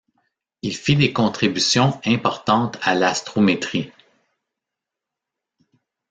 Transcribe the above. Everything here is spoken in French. Il fit des contributions importantes à l'astrométrie.